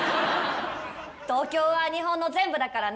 東京は日本の全部だからね。